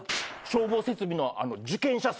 消防設備の受験者数です。